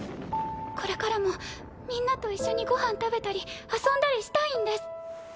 これからもみんなと一緒にご飯食べたり遊んだりしたいんです。